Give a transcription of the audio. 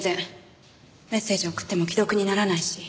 メッセージ送っても既読にならないし。